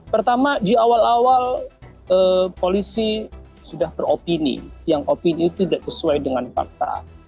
pertama di awal awal polisi sudah beropini yang opini itu tidak sesuai dengan fakta